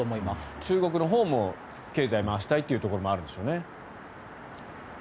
中国のほうも経済を回したいというのがあるんでしょうね。